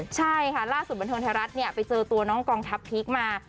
ใช่ค่ะล่าสุดบันเทิงไทยรัฐไปเจอตัวน้องกองทัพพีคมา